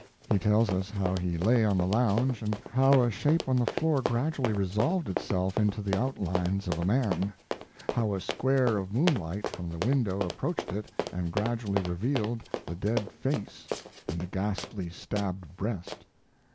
He tells us how he lay on the lounge, and how a shape on the floor gradually resolved itself into the outlines of a man; how a square of moonlight from the window approached it and gradually revealed the dead face and the ghastly stabbed breast.